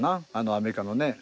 アメリカのね。